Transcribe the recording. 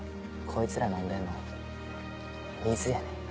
こいつら飲んでんの水やねん。